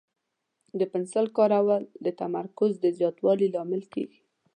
د پنسل کارول د تمرکز د زیاتوالي لامل کېږي.